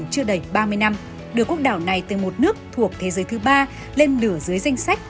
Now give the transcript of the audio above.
chưa đầy ba mươi năm đưa quốc đảo này từ một nước thuộc thế giới thứ ba lên nửa dưới danh sách